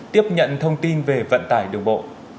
tiếp nhận thông tin về vận tải đường bộ